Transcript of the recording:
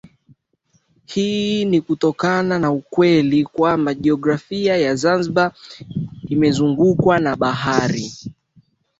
Hii ni kutokana na ukweli kwamba jiografia ya Zanzibar imezungukwa na bahari